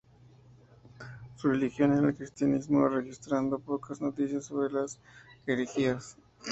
Su religión era el cristianismo, registrando pocas noticias sobre las herejías.